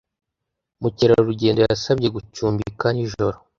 Mukerarugendo yasabye gucumbika nijoro